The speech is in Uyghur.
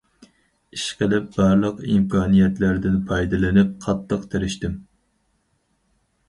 ئىشقىلىپ بارلىق ئىمكانىيەتلەردىن پايدىلىنىپ قاتتىق تىرىشتىم.